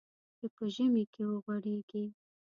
چې په ژمي کې وغوړېږي .